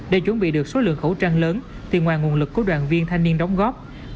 để chuẩn bị được số lượng khẩu trang lớn thì ngoài nguồn lực của đoàn viên thanh niên đóng góp